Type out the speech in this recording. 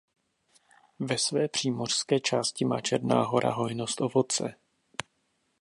Ve své přímořské části má Černá Hora hojnost ovoce.